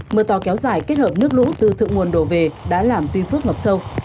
mưa to kéo dài kết hợp nước lũ từ thượng nguồn đổ về đã làm tuy phước ngập sâu